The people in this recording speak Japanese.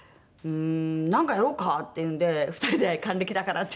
なんかやろうかっていうんで２人で還暦だからって。